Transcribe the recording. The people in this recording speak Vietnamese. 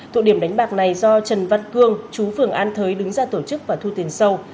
thụ điểm đánh bạc này do trần văn cương chú phường an thới đứng ra tổ chức và thu tiền sâu